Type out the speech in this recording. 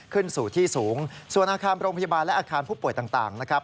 ขึ้นสู่ที่สูงส่วนอาคารโรงพยาบาลและอาคารผู้ป่วยต่างนะครับ